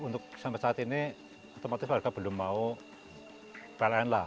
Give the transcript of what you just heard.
untuk sampai saat ini otomatis warga belum mau pln lah